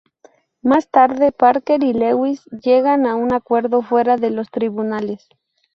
Más tarde, Parker y Lewis llegan a un acuerdo fuera de los tribunales.